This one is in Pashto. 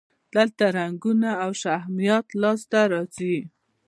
دلته رنګونه او شهمیات لاسته راځي.